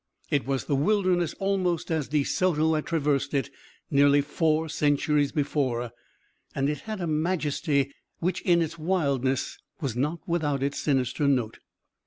It was the wilderness almost as De Soto had traversed it nearly four centuries before, and it had a majesty which in its wildness was not without its sinister note.